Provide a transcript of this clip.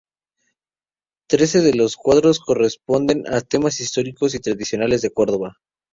Trece de los cuadros corresponden a temas históricos y tradicionales de Córdoba.